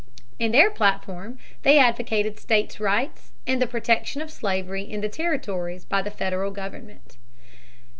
In their platform they advocated states' rights, and the protection of slavery in the territories by the federal government.